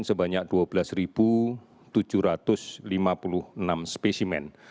sebanyak dua belas tujuh ratus lima puluh enam spesimen